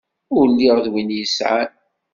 Ur lliɣ d win yesεan.